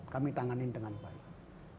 kami tanganin dengan baik